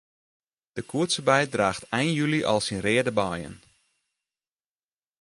De koetsebei draacht ein july al syn reade beien.